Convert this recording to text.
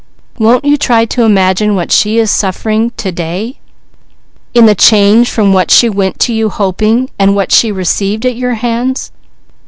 Won't you try to imagine what she is suffering to day, in the change from what she went to you hoping, and what she received at your hands?"